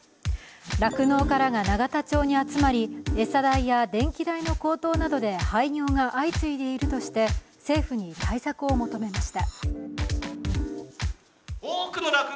酪農家らが永田町に集まり、餌代や電気代の高騰などで廃業が相次いでいるとして政府に対策を求めました。